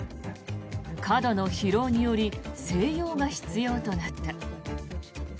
過度の疲労により静養が必要となった。